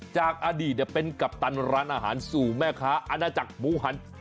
จากอดีตเป็นกัปตันร้านอาหารสู่แม่ค้าอาณาจักรหมูหัน